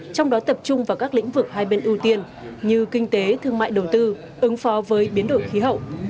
trong đó tập trung vào các lĩnh vực hai bên ưu tiên như kinh tế thương mại đầu tư ứng phó với biến đổi khí hậu